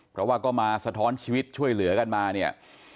เพราะว่าก็มาสะท้อนชีวิตช่วยเหลือกันมาเนี่ย